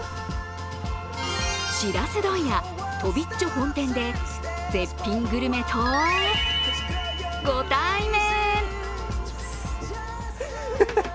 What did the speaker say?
しらす問屋とびっちょ本店で絶品グルメとご対面。